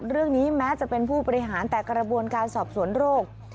เรื่องนี้แม้จะเป็นผู้บริหารแต่กระบวนการสอบสวนโรค